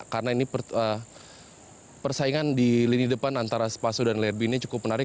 karena ini persaingan di lini depan antara spaso dan lerby ini cukup menarik